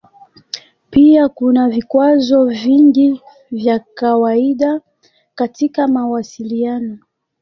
Pia kuna vikwazo vingi vya kawaida katika mawasiliano.